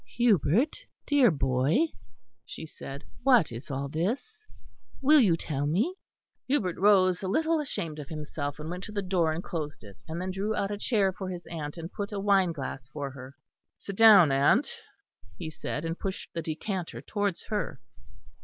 "Hubert, dear boy," she said, "what is all this? Will you tell me?" Hubert rose, a little ashamed of himself, and went to the door and closed it; and then drew out a chair for his aunt, and put a wine glass for her. "Sit down, aunt," he said, and pushed the decanter towards her.